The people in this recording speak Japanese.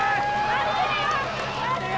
・・待ってるよ！